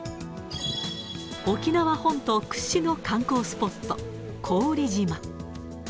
沖縄本島屈指の観光スポット、古宇利島。